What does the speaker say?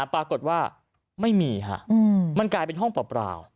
ปรากฏว่าไม่มีฮะมันกลายเป็นห้องเปล่า